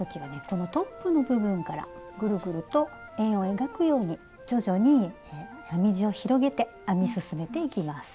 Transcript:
このトップの部分からグルグルと円を描くように徐々に編み地を広げて編み進めていきます。